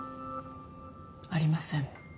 ありません。